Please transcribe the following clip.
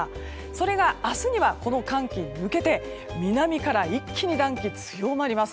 それが、明日にはこの寒気が抜けて南から一気に暖気が強まります。